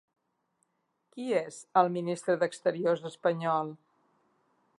Qui és el ministre d'exteriors espanyol?